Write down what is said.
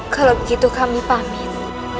kalau begitu kami pamit